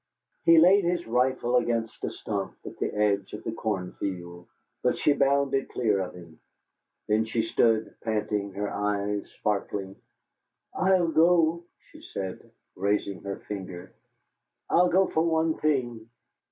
He laid his rifle against a stump at the edge of the corn field, but she bounded clear of him. Then she stood, panting, her eyes sparkling. "I'll go," she said, raising her finger, "I'll go for one thing."